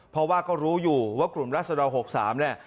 เพราะว่าก็รู้อยู่ว่ากลุ่มรัศดร๖๓เนี่ย